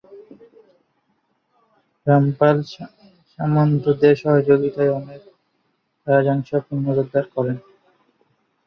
রামপাল সামন্তদের সহযোগিতায় অনেক রাজ্যাংশ পুনরুদ্ধার করেন।